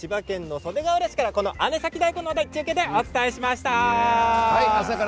袖ヶ浦市から姉崎だいこん中継でお伝えしました。